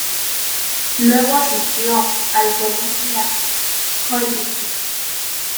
Luego asistió al Columbia College.